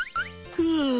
ふう！